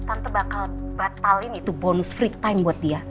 tante batalin itu bonus free time buat dia